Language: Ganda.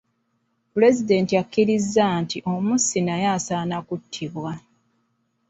Pulezidenti akkiriza nti omussi naye asaana kuttibwa.